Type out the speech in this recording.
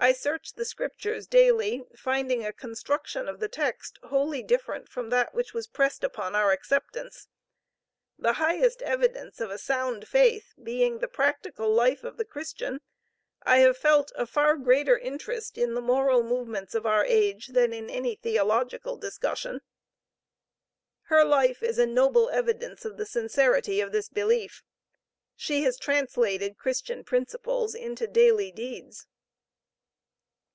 I searched the Scriptures daily, finding a construction of the text wholly different from that which was pressed upon our acceptance. The highest evidence of a sound faith being the practical life of the Christian, I have felt a far greater interest in the moral movements of our age than in any theological discussion." Her life is a noble evidence of the sincerity of this belief. She has translated Christian principles into daily deeds.